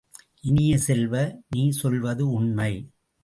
இனிய செல்வ, நீ சொல்வது உண்மை!